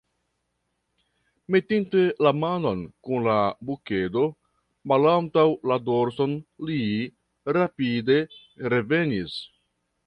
Metinte la manon kun la bukedo malantaŭ la dorson, li rapide revenis.